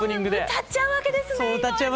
歌っちゃうわけですね井上さん。